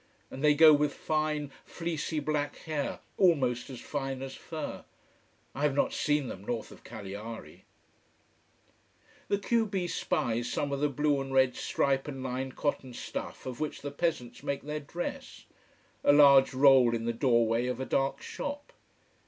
And they go with fine, fleecy black hair almost as fine as fur. I have not seen them north of Cagliari. The q b spies some of the blue and red stripe and line cotton stuff of which the peasants make their dress: a large roll in the doorway of a dark shop.